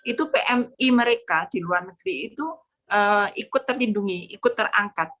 itu pmi mereka di luar negeri itu ikut terlindungi ikut terangkat